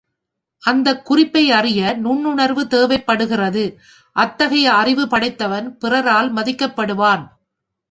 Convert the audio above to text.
அந்தக் குறிப்பை அறிய நுண்ணுணர்வு தேவைப் படுகிறது அத்தகைய அறிவு படைத்தவன் பிறரால் மதிக்கப்படுவான்.